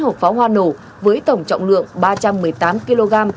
chín mươi chín hộp pháo hoa nổ với tổng trọng lượng ba trăm một mươi tám kg